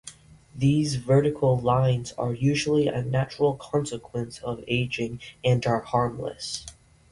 These vertical lines are usually a natural consequence of aging and are harmless.